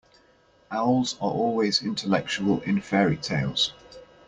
Owls are always intellectual in fairy-tales.